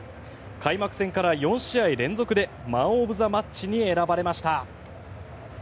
開幕戦から４試合連続でマン・オブ・ザ・マッチに選ばれました。